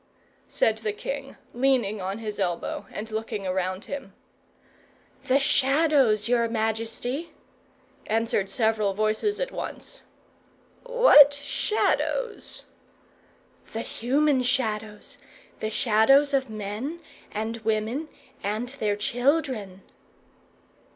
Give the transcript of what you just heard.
said the king, leaning on his elbow, and looking around him. "The Shadows, your majesty," answered several voices at once. "What Shadows?" "The human Shadows. The Shadows of men, and women, and their children."